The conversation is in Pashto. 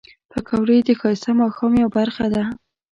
پکورې د ښایسته ماښام یو برخه ده